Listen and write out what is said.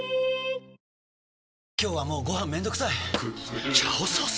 今日はもうご飯めんどくさい「炒ソース」！？